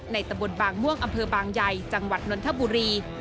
ตำบลบางม่วงอำเภอบางใหญ่จังหวัดนนทบุรี